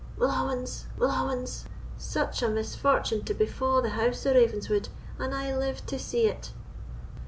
"Willawins!—willawins! Such a misfortune to befa' the house of Ravenswood, and I to live to see it."